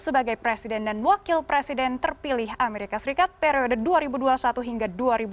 sebagai presiden dan wakil presiden terpilih amerika serikat periode dua ribu dua puluh satu hingga dua ribu dua puluh